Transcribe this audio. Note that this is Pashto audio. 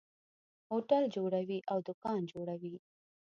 هوټل جوړوي او دکان جوړوي.